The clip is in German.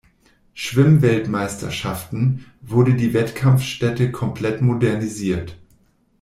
Schwimmweltmeisterschaften, wurde die Wettkampfstätte komplett modernisiert.